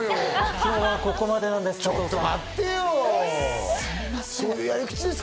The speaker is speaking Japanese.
今日はここまでなんです。